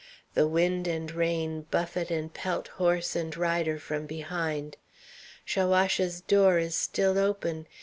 The wind and rain buffet and pelt horse and rider from behind. Chaouache's door is still open.